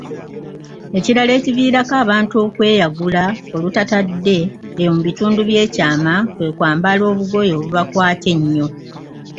Ekirala ekiviirako abantu okweyagula olutatadde eyo mu bitundu by'ekyama, kwe kwambala obugoye obubakwata ennyo.